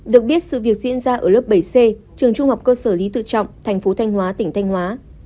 được biết sự việc diễn ra ở lớp bảy c trường trung học cơ sở lý tự trọng thành phố thanh hóa tỉnh thanh hóa